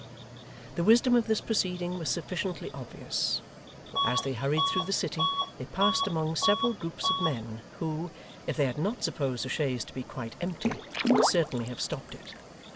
The wisdom of this proceeding was sufficiently obvious, for as they hurried through the city they passed among several groups of men, who, if they had not supposed the chaise to be quite empty, would certainly have stopped it.